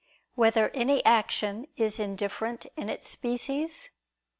8] Whether Any Action Is Indifferent in Its Species?